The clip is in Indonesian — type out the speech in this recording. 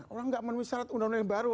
orang nggak menwisarat undang undang yang baru